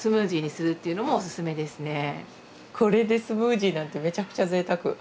これでスムージーなんてめちゃくちゃぜいたく。